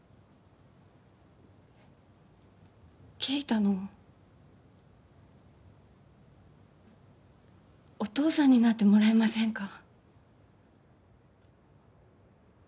圭太のお父さんになってもらえませんか？